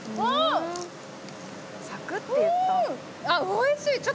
あっおいしい！